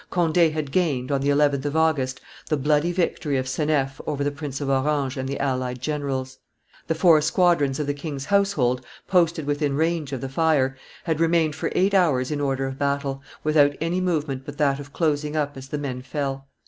Conde had gained, on the 11th of August, the bloody victory of Seneffe over the Prince of Orange and the allied generals; the four squadrons of the king's household, posted within range of the fire, had remained for eight hours in order of battle, without any movement but that of closing up as the men fell.